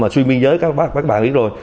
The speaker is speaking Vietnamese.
xuyên biên giới các bạn biết rồi